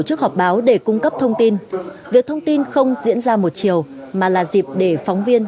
đảm bảo để cung cấp thông tin việc thông tin không diễn ra một chiều mà là dịp để phóng viên